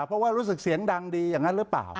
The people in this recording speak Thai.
เพราะว่ารู้สึกเสียงดังดีอย่างนั้นหรือเปล่า